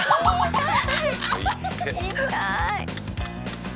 痛い！